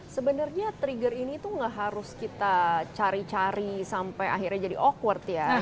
sebenarnya trigger ini tuh gak harus kita cari cari sampai akhirnya jadi outward ya